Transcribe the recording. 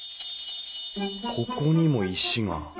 ここにも石が。